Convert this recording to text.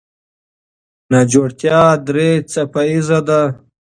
ناجوړتیا درې څپه ایزه ده.